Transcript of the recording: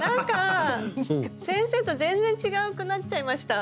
先生と全然違くなっちゃいました。